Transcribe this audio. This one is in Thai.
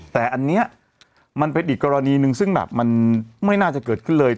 แต่อันนี้มันเป็นอีกกรณีหนึ่งซึ่งแบบมันไม่น่าจะเกิดขึ้นเลย